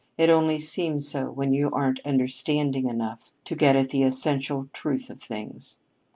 It only seems so when you aren't understanding enough to get at the essential truth of things."